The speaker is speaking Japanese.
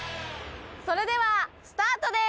それではスタートです！